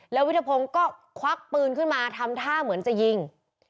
แล้ววิทยาพงศ์ก็ควักปืนขึ้นมาทำท่าเหมือนจะยิง